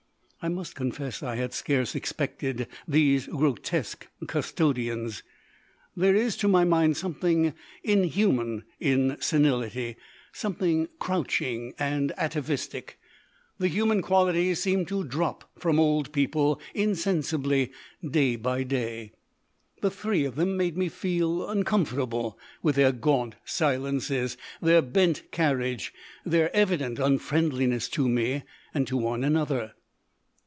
I must confess I had scarce expected these grotesque custodians. There is to my mind something inhuman in senility, something crouching and atavistic; the human qualities seem to drop from old people insensibly day by day. The three of them made me feel uncomfortable, with their gaunt silences, their bent carriage, their evident unfriendliness to me and to one another.